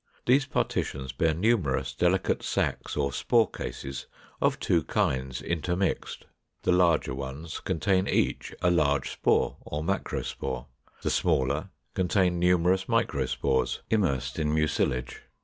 These partitions bear numerous delicate sacs or spore cases of two kinds, intermixed. The larger ones contain each a large spore, or macrospore; the smaller contain numerous microspores, immersed in mucilage.